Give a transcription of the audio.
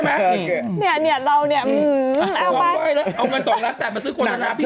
เอางานต่อมาซื้อคลุมคุณแล้วนะ